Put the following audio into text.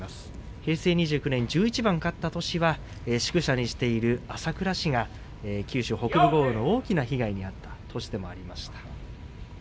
平成２９年１１番勝った年は宿舎にしている朝倉市が九州北部豪雨の大きな被害に遭った年でもありました。